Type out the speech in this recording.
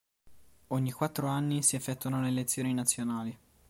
Ogni quattro anni si effettuano le elezioni nazionali.